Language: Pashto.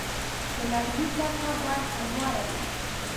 د لرګي سطحه باید همواره وي.